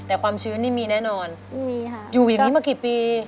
ทั้งในเรื่องของการทำงานเคยทำนานแล้วเกิดปัญหาน้อย